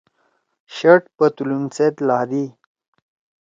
شرٹ پتلُون سیت لھادی۔